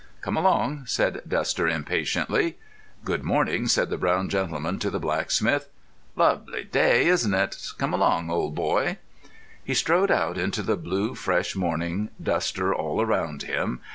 "Come along," said Duster impatiently. "Good morning," said the brown gentleman to the blacksmith. "Lovely day, isn't it?... Come along, old boy." He strode out into the blue fresh morning, Duster all round him.